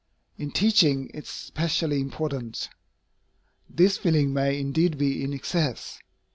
In teaching, it is specially important. This feeling may indeed be in excess.